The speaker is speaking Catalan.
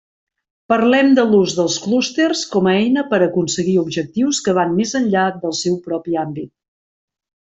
Parlem de l'ús dels clústers com a eina per a aconseguir objectius que van més enllà del seu propi àmbit.